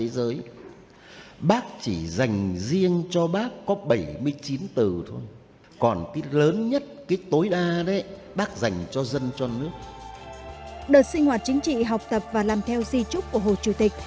đợt sinh hoạt chính trị học tập và làm theo di trúc của hồ chủ tịch